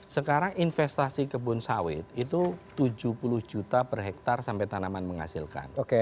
sekarang investasi kebun sawit itu tujuh puluh juta per hektare sampai tanaman menghasilkan